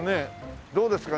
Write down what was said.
どうですか？